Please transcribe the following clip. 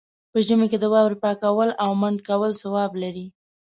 په ژمي کې د واورو پاکول او منډ کول ثواب لري.